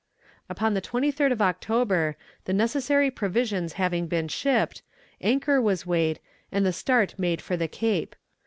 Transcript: Upon the 23rd of October, the necessary provisions having been shipped, anchor was weighed, and the start made for the Cape.